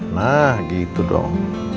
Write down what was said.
nah gitu dong